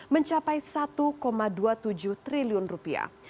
mencapai satu dua puluh tujuh triliun rupiah